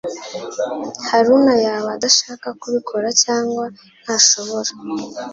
Haruna yaba adashaka kubikora cyangwa ntashobora